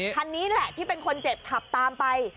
คันนี้แหละที่เป็นคนเจ็บขับตามไป